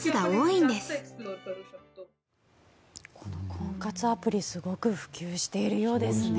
婚活アプリすごく普及しているようですね。